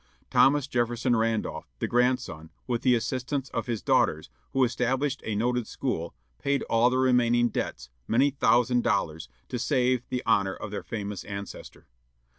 Thomas Jefferson Randolph, the grandson, with the assistance of his daughters, who established a noted school, paid all the remaining debts, many thousand dollars, to save the honor of their famous ancestor.